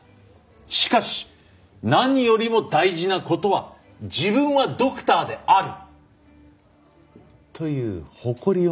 しかし何よりも大事な事は自分はドクターであるという誇りを持つ事なんだよ。